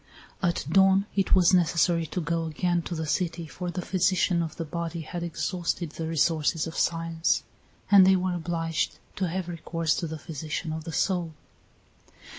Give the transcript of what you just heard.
At dawn it was necessary to go again to the city, for the physician of the body had exhausted the resources of science, and they were obliged to have recourse to the physician of the soul.